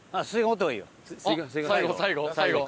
最後最後最後。